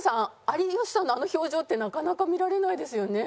有吉さんのあの表情ってなかなか見られないですよね。